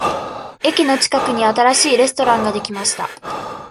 駅の近くに新しいレストランができました。